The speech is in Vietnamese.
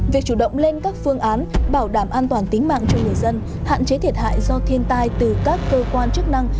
việc chủ động lên các phương án bảo đảm an toàn tính mạng cho người dân hạn chế thiệt hại do thiên tai từ các cơ quan chức năng